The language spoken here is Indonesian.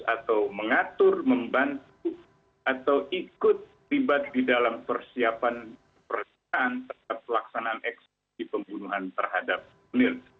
atau mengatur membantu atau ikut tibat di dalam persiapan perusahaan terhadap pelaksanaan eksklusi pembunuhan terhadap milik